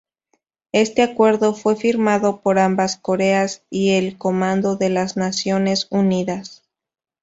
Este acuerdo fue firmado por ambas Coreas y el Comando de las Naciones Unidas.